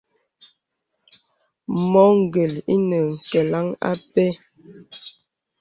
Mɔ gèl ìnə̀ nkelaŋ â pɛ.